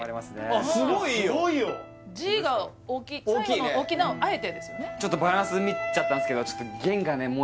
すごいよちょっとバランス見ちゃったんすけど「現」がね